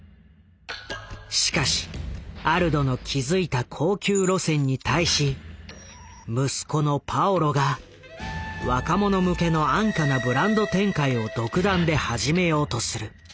しかしアルドの築いた高級路線に対し息子のパオロが若者向けの安価なブランド展開を独断で始めようとする。